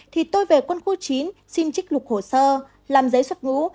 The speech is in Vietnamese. thì tôi về quân khu chín xin trích lục hồ sơ làm giấy xuất ngũ